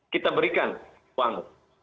kita berikan uang